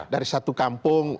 dari satu kampung